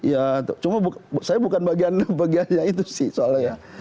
ya cuma saya bukan bagiannya itu sih soalnya